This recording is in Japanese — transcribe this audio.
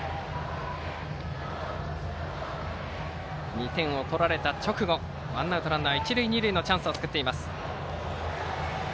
２点を取られた直後ワンアウトランナー、一塁二塁のチャンスを作っています。